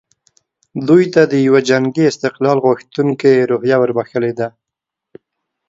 دوی ته یوه جنګي استقلال غوښتونکې روحیه وربخښلې ده.